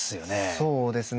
そうですね。